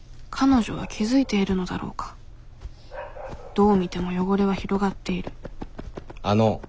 どう見ても汚れは広がっているあの。